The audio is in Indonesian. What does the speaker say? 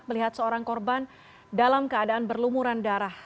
melihat seorang korban dalam keadaan berlumuran darah